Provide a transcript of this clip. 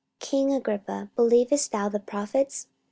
44:026:027 King Agrippa, believest thou the prophets?